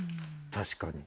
確かに。